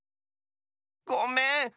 ごめん。